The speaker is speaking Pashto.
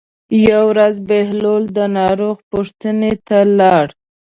یوه ورځ بهلول د ناروغ پوښتنې ته لاړ.